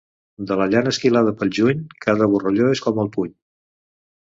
De la llana esquilada pel juny, cada borralló és com el puny.